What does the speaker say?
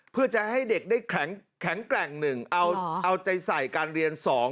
เพื่อจะให้เด็กได้แข็งแกร่งหนึ่งเอาใจใส่การเรียน๒